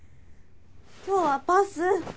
今日はパス！